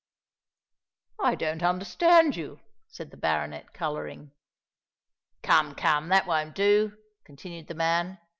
"I don't understand you," said the baronet, colouring. "Come, come—that won't do," continued the man.